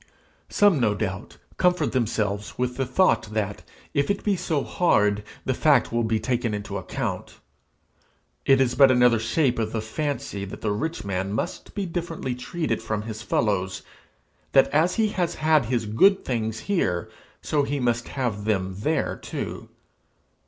Some, no doubt, comfort themselves with the thought that, if it be so hard, the fact will be taken into account: it is but another shape of the fancy that the rich man must be differently treated from his fellows; that as he has had his good things here, so he must have them there too.